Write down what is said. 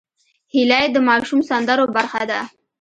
هیلۍ د ماشوم سندرو برخه ده